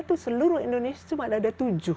itu seluruh indonesia cuma ada tujuh